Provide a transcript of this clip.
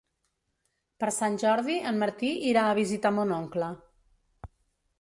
Per Sant Jordi en Martí irà a visitar mon oncle.